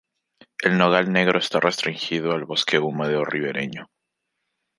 El nogal negro está restringido al bosque húmedo ribereño.